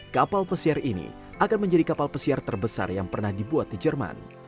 kapal pesiar ini akan menjadi kapal pesiar terbesar yang pernah dibuat di jerman